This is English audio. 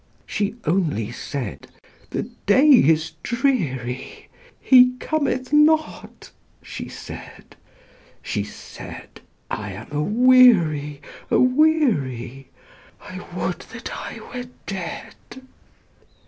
She only said, "The day is dreary, He cometh not," she said; She said, "I am aweary, aweary, I would that I were dead!"